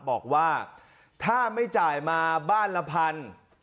บอกว่าถ้าไม่จ่ายมาบ้านละพัน